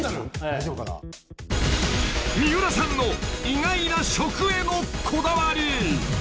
［三浦さんの意外な食へのこだわり］